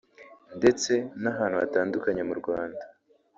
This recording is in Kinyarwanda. ndetse n’ahantu hatandukanye mu Rwanda